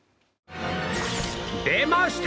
出ました！